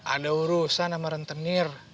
ada urusan sama rentenir